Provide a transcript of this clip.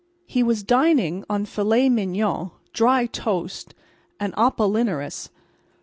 He was dining on filet mignon, dry toast and apollinaris.